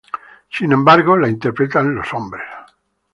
Sin embargo, la interpretan los hombres.